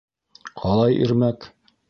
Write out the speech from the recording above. - Ҡалай ирмәк!